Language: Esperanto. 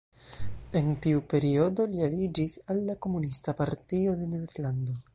En tiu periodo li aliĝis al la Komunista Partio de Nederlando.